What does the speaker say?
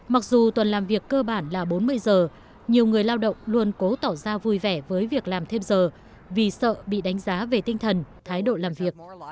mặc dù tuần làm việc cơ bản là bốn mươi giờ nhiều người lao động luôn cố tỏ ra vui vẻ với việc làm thêm giờ vì sợ bị đánh giá về tinh thần thái độ làm việc